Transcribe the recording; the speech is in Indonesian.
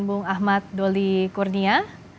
bung ahmad doli kurnia